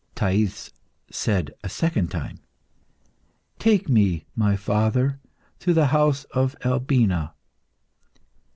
Thais said a second time "Take me, my father, to the house of Albina."